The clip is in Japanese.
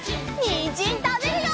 にんじんたべるよ！